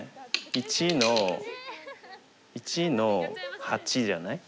１の１の八じゃない？